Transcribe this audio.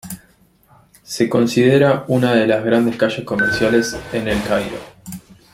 Se considera una de las grandes calles comerciales en El Cairo.